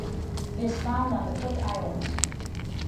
It is found on the Cook Islands.